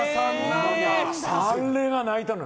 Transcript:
あれが泣いたの。